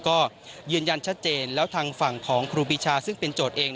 ก็ยืนยันชัดเจนแล้วทางฝั่งของครูปีชาซึ่งเป็นโจทย์เอง